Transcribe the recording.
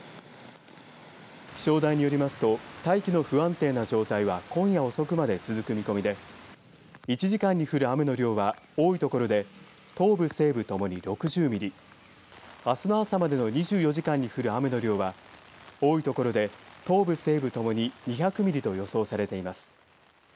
気象台によりますと大気の不安定な状態は今夜遅くまで続く見込みで１時間に降る雨の量は多いところで東部、西部ともに６０ミリあすの朝までの２４時間に振る雨の量は多いところで東部西部ともに２００ミリと予想されています。